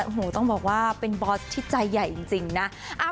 โอ้โหต้องบอกว่าเป็นบอสที่ใจใหญ่จริงนะ